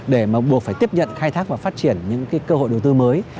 để mà buộc phải tiếp nhận khai thác và phát triển những cơ hội đầu tư mới